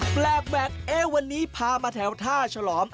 แปลกแวกเอ๊วันนี้พามาแถวท่าฉลอม